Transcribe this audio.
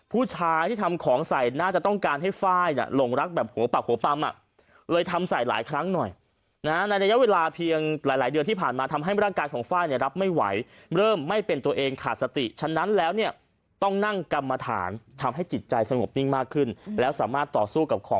ผู้ชายที่ทำของใส่น่าจะต้องการให้ไฟล์หลงรักแบบหัวปากหัวปั๊มอ่ะเลยทำใส่หลายครั้งหน่อยนะในระยะเวลาเพียงหลายเดือนที่ผ่านมาทำให้ร่างกายของไฟล์เนี่ยรับไม่ไหวเริ่มไม่เป็นตัวเองขาดสติฉะนั้นแล้วเนี่ยต้องนั่งกรรมฐานทำให้จิตใจสงบนิ่งมากขึ้นแล้วสามารถต่อสู้กับของ